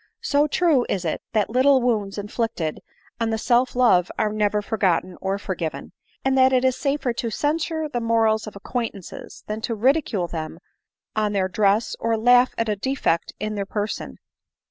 So true is it that little wounds inflicted on the self love are never for gotten or forgiven, and that it is safer to censure the morals of acquaintances than to ridicule them on] their dress, or laugh at a defect in their person.